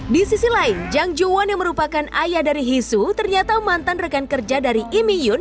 di sisi lain jang jong won yang merupakan ayah dari hee soo ternyata mantan rekan kerja dari lee mi yoon